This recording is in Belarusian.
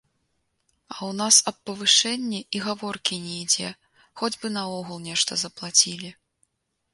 А ў нас аб павышэнні і гаворкі не ідзе, хоць бы наогул нешта заплацілі.